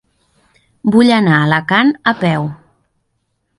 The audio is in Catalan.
Vull anar a Alacant a peu.